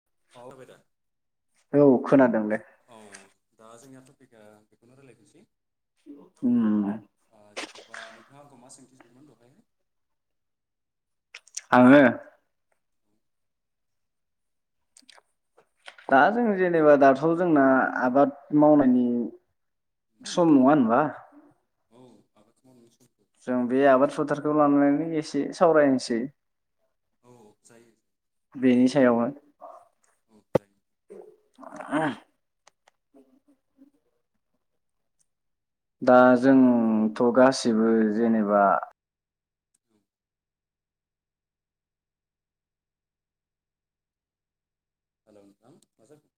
[inaudible] औ खोनादोंलै दा जोंनि आ टपिक आ बेखुन रायज्लायनोसै उम आ जिथबा नोंथाङा, आंखौ मा सों आङो? दा जोङो जेनेबा दाथ जोंना आबाद मावनायनि सम नङा होनबा? औ आबाद मावनायनि समखौ जों बे आबाद फोथारखौ लानानै एसे सावरायनोसै। औ जायो। बेनि सायाव औ जायो। [unintelligible] दा जोंथ गासिबो जेनेबा औ हेलौ नोंथां मा जाखो?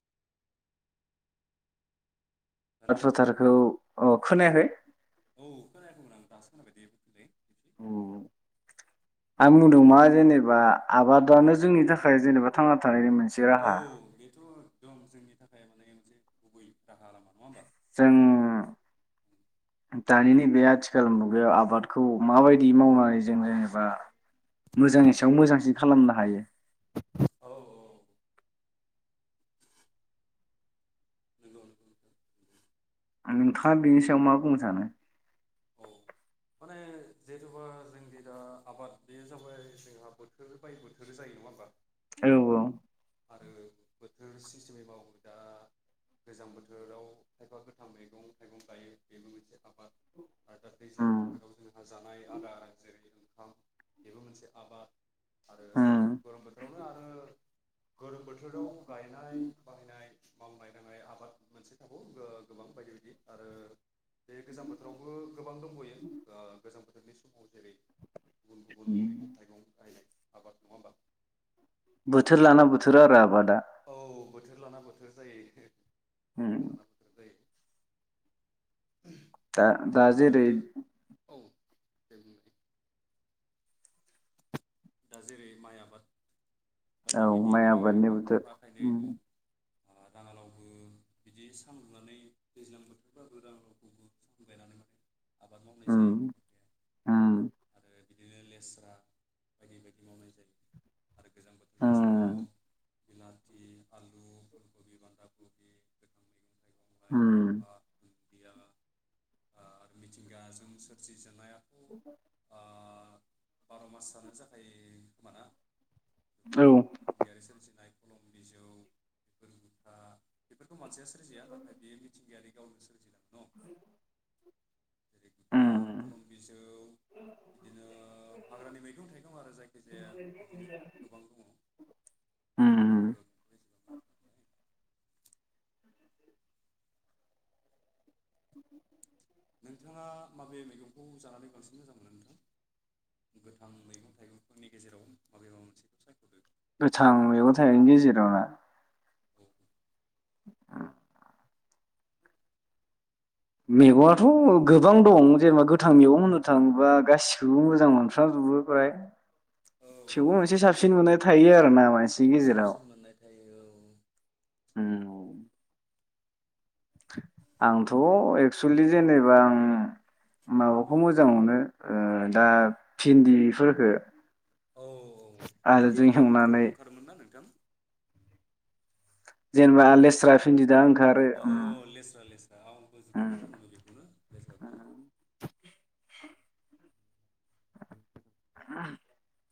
हेल' औ फोथारखौ अ खोनायाखै? औ खोनायाखैमोन आं दासो खोनाबायदे बुंफिनलाय। खेबसे [inaudible] आं बुंदों मा जेनेबा आबादानो जोंनि थाखाय जेनेबा थांना थानायनि मोनसे औ राहा बेथ एकदम जोंनि थाखाय माने मोनसे गुबै राहा रालामा, नङा होमबा? जों दानि न बे आथिखाल मुगायाव आबादखौ माबायदि मावनानै जों जेनेबा मोजांनि सायाव मोजांसिन खालामनो हायो? औ [unintelligible] नोंथाङा बेनि सायाव मा बुंनो सानो? औ माने जेथबा जोंदि दा आबाद बेयो जाबाय जोंहा बोथोर बाय बोथोर जायो, नङा होमबा? औ औ। आरो बोथोर सिस्टेमै मावो दा गोजां बोथोराव खायफा गोथां मैगं थाइगं गायो, बेबो मोनसे आबाद। आरो दा दैज्लां उम बोथोराव जोंहा जानाय आदार जेरै ओंखाम बेबो मोनसे आबाद। आरो उम गरम बोथोरावनो आरो गोरोम बोथोराव गायनाय बाहायनाय मावनाय दांनाय आबाद मोनसे थागौ गोबां बायदि बायदि आरो बे गोजां बोथोराव गोबां दंबयो [unintelligible] गोजां बोथोरनि समाव जेरै गु उम बायनाय आबाद नङा होनबा बोथोर लाना बोथोराआरो आबादा औ बोथोर लाना बोथोर जायो उंम लानाफोर जायो दा दा जेरै औ [unintelligible] दा जेरै माइ आबाद औ बायदि बायदि माइ आरो आबादनि बोथोर खायफा खायनै उम औ राङालावबो बिदि सानलुनानै दैज्लां बोथोरबाबो राङालावखौबो सां गायनानै माने आबाद मावनाय उम जायो खायफाया उम आरो बिदिनो लेस्रा बायदि बायदि मावनाय जायो आरो गोजां उम बोथोरनि समाव बिलाथि, आलु, फुल कबि, बान्दा कबि गोथां मैगं थाइगं उम ओ मिथिंगाजों सोरजिजानाय आ [unintelligible] ओ बारमासआनो जाखायो खोमाना औ गोबां मिथिंगायारि सोरजिनाय [unintelligible] बेफोरखौ मानसिया सो सोरजिया नाथाय बे मिथिंगायारि गांवनो सोरजि लांङो [unintelligible] लिफिखा उम खलम बिजौ बिदिनो हाग्रानि मैगं थाइगं आरो जायखिजाया बिदिनो गोबां दङ उम [unintelligible] नोंथाङा माबे मैगंखौ जानानै बांसिन मोजां मोनो नोंथां गोथां मैगं थाइगंफोरनि गेजेराव माबे माबा मोनसेखौ सायखदो गोथां मैगं थाइगंनि गेजेराव ना ओम मैगंआथ गोबां दं जेनेबा गोथां मैगं होननो थाङोबा गासिखौबो मोजां मोनफ्राम जोबोफ्राय थेवबो औ औ मोनसे सापसिन मोनाय थायो आरोना मानस साबसिन मोननाय थायो औ उम आंथ एक्सुलि जेनेबा आं औ माबाखौ मोजां मोननो ओ दा भिन्दिफोरखौ औ भिनदिया दा बोथोराव ओंखारोमोन ना नोंथां जेनेबा लेस्रा, फिन्दि दा ओंखा अ लेस्रा लेस्रा आं आंबो उम जोबोद मोजां मोनो बेखौनो लेस्राखौनो [inaudible] [unintelligible]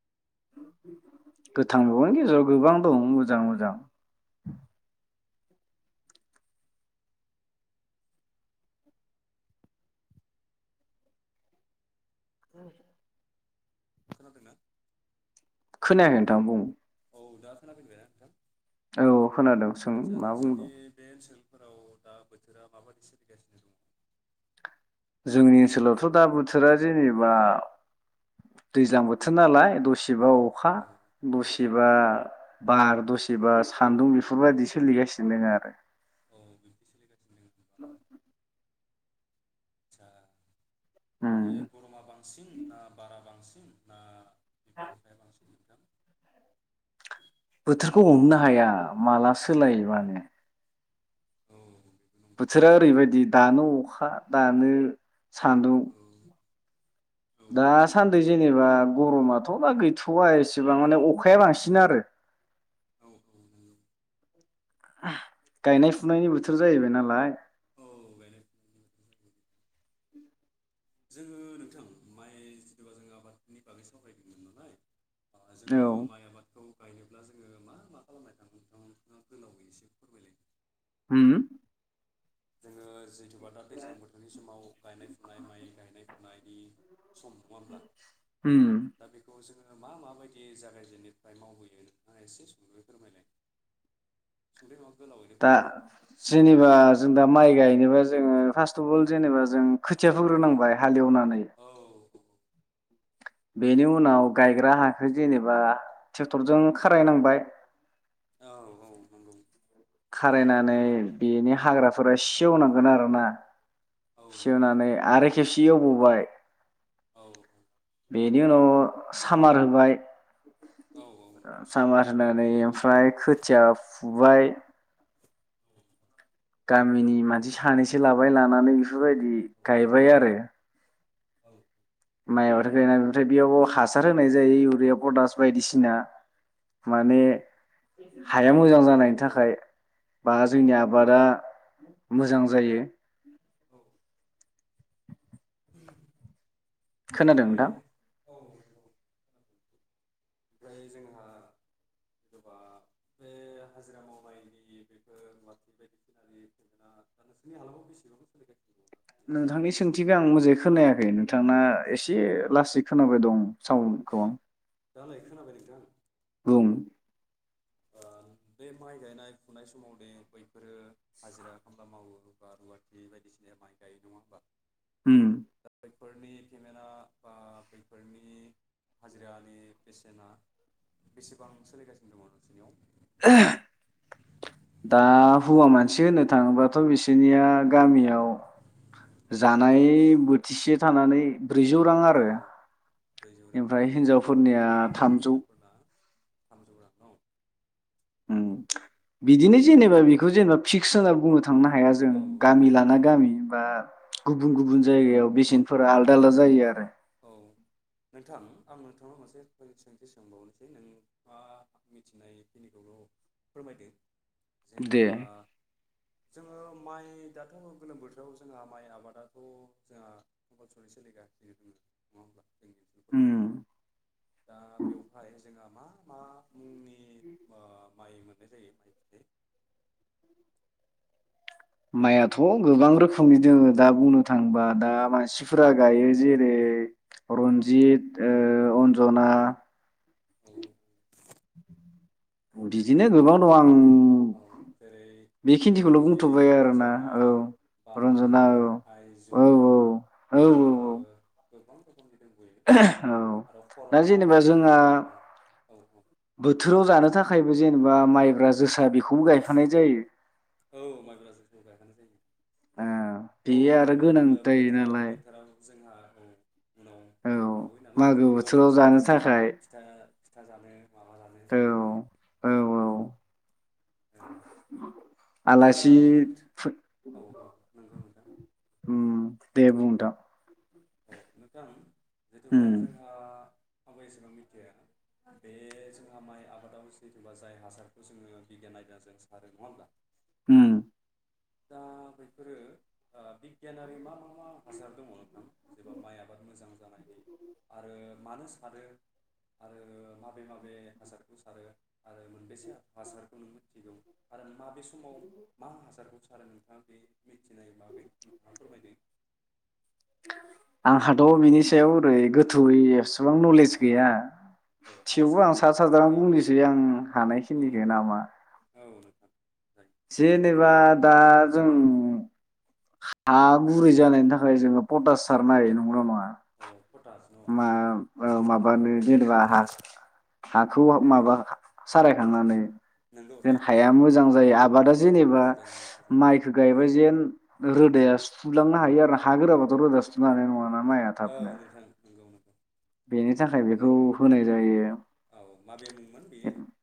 [inaudible] गोथां [unintelligible] गोबां दं मोजां मोजां। उम। खोनादों ना? खोनायाखै नोंथां बुं। औ दा खोनाफिनबायना नोंथां। औ खोनादों सों मा बुंदों। फोराव दा बोथोरा माबायदि सोलिगासिनो दङ। जोंनि ओनसोलावथ दा बोथोरा जेनेबा दैज्लां बोथोर नालाय दसेबा अखा औ दसेबा बार दसेबा सान्दुं बेफोरबायदि सोलिगासिनो दोङो आरो। औ बिब्दि सोलिगासिनो दङ आटचा। बे उम गरमा बांसिन ना बारा बांसिन। ना [inaudible] बोथोरखौ हमनो हाया माला सोलायोबानो। औ बेबो नंगौ बोथोरा नोंथां ओरैबायदि दानो अखा दानो सान्दुं। औ औ औ औ दासान्दि जेनेबा गरमाथ दा गैथवा एसेबां माने अखाया बांसिन आरो। [inaudible] गायनाय फुनायनि बोथोर जाहैबाय नालाय। औ गायनाय फुनायनि बोथोर जाबाय जोङो नोंथां माइ जथबा जों आबादनि बागै सावरायदोंमोन नालाय। औ जोङो माइ आबादखौ। गायनोब्ला जोङो मा मा खालामनाय थाङोन नोंथाङा नोंथाङा गोलावै एसे फोरमायलाय। होम। जोङो जैथुबा दा दैज्लां बोथोरनि समाव गायनाय फुनाय माइ गायनाय फुनायनि सम नङाब्ला उम दा बेखौ जोङो। मा माबायदि जागायजेननोफ्राय मावहैयो एसे सुंदयै फोरमायलाय [inaudible] दा नोंथां जेनेबा जों दा माइ गायनोबा जोङो फार्स्ट अफ अल जेनेबा जों खोथिया औ फोग्रोनांबाय हालेवनानै। औ बेनि उनाव गायग्रा हाखौ जेनेबा ट्रेक्टरजों खारायनांबाय। औ औ नंगौ। खारायनानै बेनि हाग्राफोरा सेवनांगोन आरोना। औ नंगौ सेवनानै आरो। खेबसे एवबबाय। औ औ। बेनि उनाव सामार होबाय। औ सामार। नानै। फ्राइ खोथिय फु फुबाय गामिनि मानसि सानैसो लाबाय लानानै बेफोरबायदि गायबाय आरो। औ। माइ हरखायना ओमफ्राय बेयाव हासार होनाय जायो इउरिया पटास बायदिसिना माने हाया मोजां जानायनि थाखाय। बा औ औ जोंनि आबादा मोजां जायो औ औ खोनादों ओमफ्राय नोंथां औ ओमफ्राय जोंहा जेनबा बे हाजिरा मावबाय बेफोर [unintelligible] नोंसोरनि हालामाव बेसेबां सोलिगासिनो दंङो? नोंथांनि सोंथिखौ आं मोजाङै खोनायाखै नोंथांना एसे लासै खोनाबाय दं सोलिगासिनो दङ दा ए सावनखौ दालाय खोनाबाय नोंथां? बुंं ओ बे माइ गायनाय फुनाय समाव दे बैफोरो हाजिरा खामला मावो बा रुवाथि बायदिसिना माइ गाय नङा होमबा उम दा बैफोरनि पेमेन्टआ बा बैफोरनि हाजिरानि बेसेना बेसेबां सोलिगासिनो दङ नों दा हौवा मानसि होननो थाङोबाथ' बिसोरनिया गामियाव जानाय बोथिसे थानानै ब्रैजौ रां आरो औ ब्रैजौ रां ओमफ्राय हिनजावफोरनिया ओमफ्राय थामजौ हिन्जावफोरना थामजौ रां औ उम बिदिनो जेनेबा बेखौ जेनेबा फिक्स होनना बुंनो थांना हाया जों औ गामि लाना गामि बा गुबुन-गुबुन जायगायाव बेसेनफोरा आलदा-आलदा जायो आरो औ नोंथां आं नोंथांनाव मोनसे सोंथि सोंबावनोसै नों मा मिथिनायखिनिखौल' फोरमायदो दे जेनेबा जोङो माइ दाथ' गोलोम बोथोराव जोंहा माइ आबादाथ' जोंहा कम्पालसरि सोलिगासिनो दङ। [unintelligible] उम दा बेवहाय जोंहा मा मा मुंनि ओ माइमोन मोननाय जायो माइ फिथाइ माइयाथ' गोबां रोखोमनि दोङो दा बुंनो थांबा दा औ मानसिफोरा गायो जेरै रन्जित ओ अन्जना औ बिदिनो गोबां दङ आं उम औ जेरै बेखिथिखौल' रन्जित बुंथ'बाय आरोना रन्जना औ रन्जना बाहादुर औ औऔ आइजुम औऔऔ आरो गोबां रोखोम औ दा जेनेबा जोंहा औ औ औ बोथोराव जानो थाखाय बो जेनेबा माइब्रा जोसा बिख औ माइब्रा जोसाबो गायनांगो ओ जायो बेयो आरो औ गोनां मोतलोब जायो नालाय बोथोराव-बोथोराव जोंहा औ उनाव औ खामानि थाबावयो नालाय जेरै बोथोराव मागो जानो समाव थाखाय फिथा-फिथा जानो माबा जानो औ बेबादि औ औ आलासि नों फुट औ नंगौ नोंथां उम देबुं नोंथां औ नोंथां जेथुबा उम जोंहा, आंबो एसेबां मिथिया बे जोंहा माइ आबादाव सोरथबा जाय हासारखौ जोङो बिगियान आयदाजों सारो नङा होनोमब्ला, उम दा बेफोरो ओ बिग गियानआरि मा मा मा हासार दङ नोंथां जेनबा माइ आबाद मोजां जानायनि आरो मानो सारो? आरो माबे माबे हासारखौ सारो आरो मोनबेसे हासारखौ नों मिथिगौ आरो माबे समाव मा हासारखौ, सार नोंथाङा बे मिथिनाय बागै नोंथाङा फोरमायदों, आंहाथ' बिनि सायाव ओरै गोथौयै एबसु, बेसेबां नलेज औ गैया औ थेवबो हानायसेबां आं सा नोंथाङा साज्रां फोरमायदो बुंनोसै आं औ हानायखिनिखौ नामा, औ नोंथां राइट जेनेबा दा जों हा गुरै जानायनि थाखाय जोङो पटास सारनानै होयो नंगौना नङा, औ पटास न औ मा औ माबानो जेनेबा हा हाखौ माबा, सारायखांनानै, नोंगौ जेन राइट हाया नोंथां मोजां राइट जायो आबादा जेनेबा जोंना हाया मोजां माइखो जायो औ गायबा जेन रो दैया सुलांनो हायो आरो हा गोराबाथ' रोजा सुनो हानाय नङाना, माइआ औ थाबनो नोंथां नंगौ नों बेनि थाखाय बेखौ होनाय जायो, औ माबे मुंमोन बेयो [unintelligible]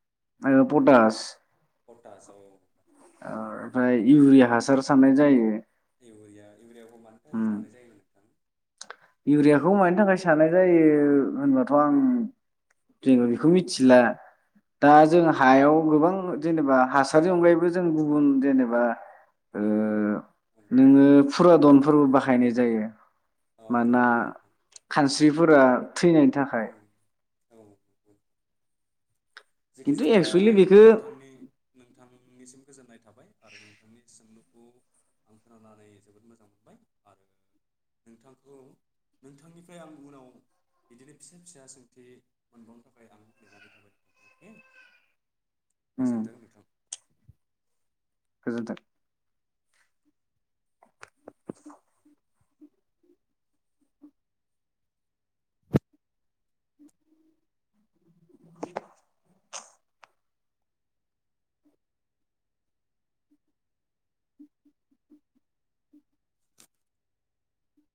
पटास पटास ओ औ आदसा ओनफाय इउरिया हा हासार सान्नाय जायो, इउरिया इउरियाखौ मानो थाखाय उम जानाय जायो नोंथां? साननो जायो होनबाथ' आं जेबो बेखौ मिथिला, दा जों नोंथां हायाव, गोबां जेनेबा हासारनि अनगायैबो जों गुबुन जेनेबा ओ, नोङो फुरा दनफोरबो बाहायनाय जायो, औ औ माना औ खानसि जिफोरा थैनायनि थाखाय, खिन्थु जेखिजाया एक्सुेलि बेखौ नोंथांनि नोंथां नोंनिसिम गोजोननाय थाबाय आरो नोंथांनि सोंलुखौ आं खोनानानै जोबोद मोजां मोनबाय आरो नोंथांखौ नोंथांनिफ्राय आं उनाव बिदिनो फिसा फिसा सोंथि मोनबावनो थाखाय आं नेनानै थाबाय नोंथां अके उम गोजोन्थों नोंथां गोजोनथों